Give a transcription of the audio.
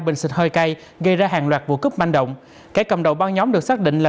bình xịt hơi cay gây ra hàng loạt vụ cướp manh động kẻ cầm đầu băng nhóm được xác định là